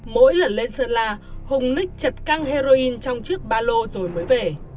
mỗi lần lên sơn la hùng ních chật căng heroin trong chiếc ba lô rồi mới về